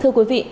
thưa quý vị